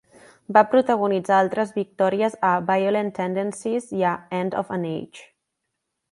Va protagonitzar altres victòries a "Violent Tendencies" i a "End of an Age".